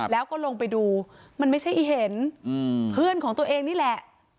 แล้วก็ลงไปดูมันไม่ใช่อีเห็นเพื่อนของตัวเองนี่แหละ